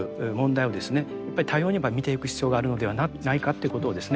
やっぱり多様に見ていく必要があるのではないかということをですね